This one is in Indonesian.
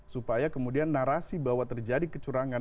supaya kemudian narasi bahwa terjadi kecurangan